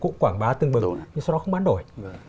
cũng quảng bá tương ứng nhưng sau đó không bán đổi